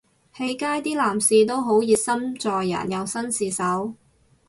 喺街啲男士都好熱心助人又紳士手